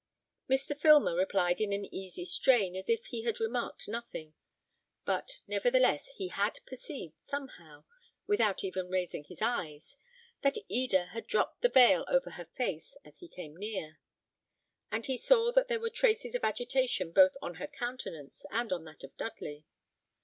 Mr. Filmer replied in an easy strain, as if he had remarked nothing; but, nevertheless, he had perceived, somehow, without even raising his eyes, that Eda had dropped the veil over her face as he came near, and he saw that there were traces of agitation both on her countenance and on that of Dudley.